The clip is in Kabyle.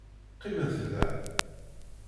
Qqimet da.